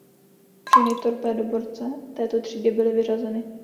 Všechny torpédoborce této třídy byly vyřazeny.